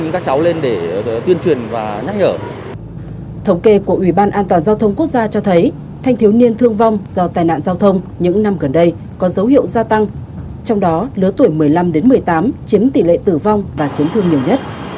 các quốc gia cho thấy thanh thiếu niên thương vong do tai nạn giao thông những năm gần đây có dấu hiệu gia tăng trong đó lứa tuổi một mươi năm một mươi tám chiếm tỷ lệ tử vong và chiếm thương nhiều nhất